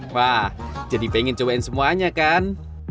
wah jadi pengen cobain semuanya kan